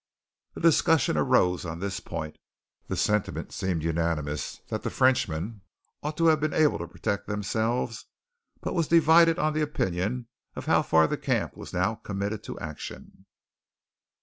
A discussion arose on this point. The sentiment seemed unanimous that the Frenchmen ought to have been able to protect themselves, but was divided on the opinion as to how far the camp was now committed to action.